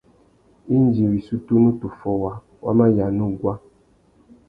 Indi wissú tunu tu fôwa, wa mà yāna uguá.